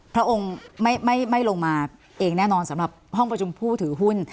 พระองค์ไม่ลงมาเองแน่นอนสำหรับห้องประชุมผู้ถือหุ้น